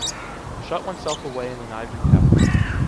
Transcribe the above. Shut oneself away in an ivory tower.